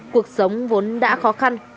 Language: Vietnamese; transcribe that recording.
cuộc sống vốn đã khó khăn